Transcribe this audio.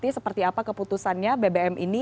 seperti apa keputusannya bbm ini